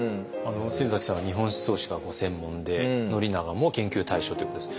先さんは日本思想史がご専門で宣長も研究対象ということです。